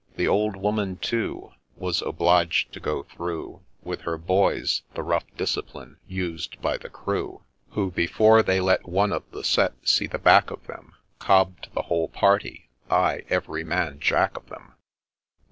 The old woman, too, Was obliged to go through, With her boys, the rough discipline used by the crew, 208 MR. PETERS 'S STORY Who, before they let one of the set see the back of them, ' Cobb'd ' the whole party, — ay, ' every man Jack of them.'